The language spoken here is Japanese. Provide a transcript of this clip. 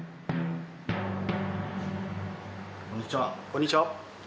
こんにちは